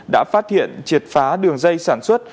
đã phát hiện triệt phá đường dây sản xuất